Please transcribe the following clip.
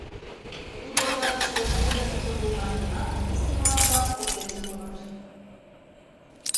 Тудо окна гыч тӧрштен куржын улмаш гынат, писе йолан-влак поктен шуыныт.